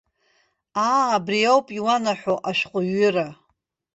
Аа, абри ауп иуанаҳәо ашәҟәыҩҩра.